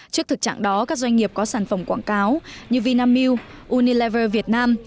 trước thực trạng đó các doanh nghiệp có sản phẩm quảng cáo như vinamilk unilever việt nam